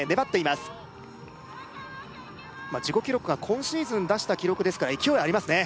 まあ自己記録は今シーズン出した記録ですから勢いありますね